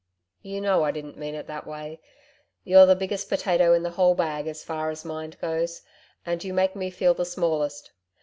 'You know I didn't mean it that way. You're the biggest potato in the whole bag as far as mind goes, and you make me feel the smallest.